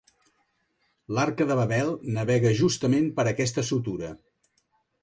L'Arca de Babel navega justament per aquesta sutura.